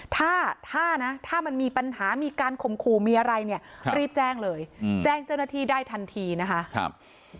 ถ้าถ้านะถ้ามันมีปัญหามีการข่มขู่มีอะไรเนี่ยรีบแจ้งเลยแจ้งเจ้าหน้าที่ได้ทันทีนะคะ